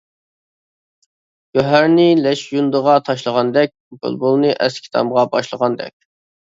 گۆھەرنى لەش يۇندىغا تاشلىغاندەك، بۇلبۇلنى ئەسكى تامغا باشلىغاندەك.